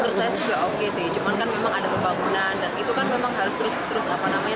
menurut saya juga oke sih cuman kan memang ada pembangunan dan itu kan memang harus terus terus apa namanya